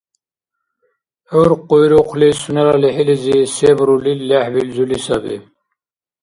ГӀур къуйрукъли сунела лихӀилизи се бурулил лехӀбилзули саби.